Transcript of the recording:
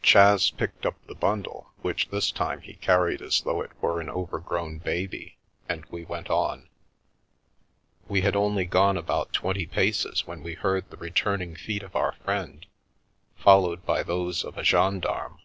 Chas picked up the bundle, which this time he carried as though it were an overgrown baby, and we went on. We had only gone about twenty paces when we heard the returning feet of our friend, followed by those of a gendarme.